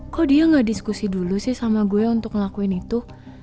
kok dia gak diskusi dulu sih sama gue untuk ngelakuin itu